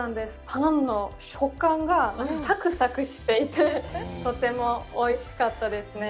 パンの食感がサクサクしていて、とてもおいしかったですね。